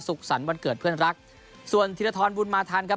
สรรค์วันเกิดเพื่อนรักส่วนธีรทรบุญมาทันครับ